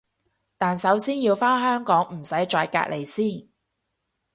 但首先要返香港唔使再隔離先